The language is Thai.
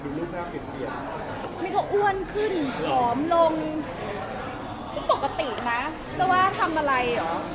หนึ่งก็อ้วนขึ้นออมลงคือปกตินะแต่ว่าทำอะไรอ่อ